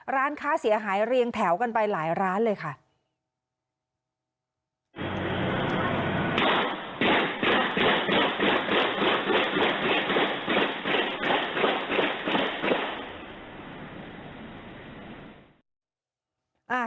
ร้านค้าเสียหายเรียงแถวกันไปหลายร้านเลยค่ะ